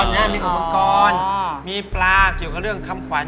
นัทขวัญมีปลาเกี่ยวกับเรื่องคำขวัญ